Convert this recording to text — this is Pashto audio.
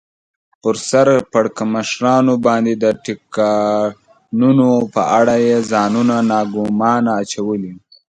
پر سر پړکمشرانو باندې د ټکانونو په اړه یې ځانونه ناګومانه اچولي و.